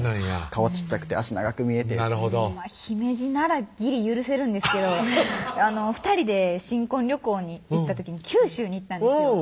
顔小っちゃくて脚長く見えて姫路ならギリ許せるんですけど２人で新婚旅行に行った時に九州に行ったんですよ